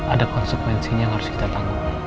ada konsekuensinya yang harus kita tanggung